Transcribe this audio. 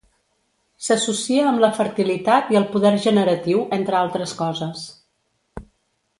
S'associa amb la fertilitat i el poder generatiu, entre altres coses.